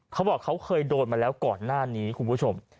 เขาบอกเขาเคยโดนมาแล้วก่อนหน้านี้คุณผู้ชม